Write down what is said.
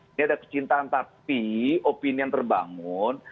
ini ada kecintaan tapi opini yang terbangun